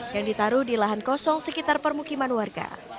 yang ditaruh di lahan kosong sekitar permukiman warga